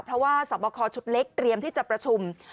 เพราะว่าสอบคอชุดเล็กเตรียมที่จะประชุม